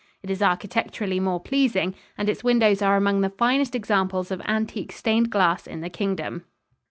It is architecturally more pleasing and its windows are among the finest examples of antique stained glass in the Kingdom.